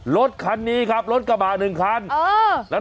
รถชั่วโหวะหนึ่งแครับ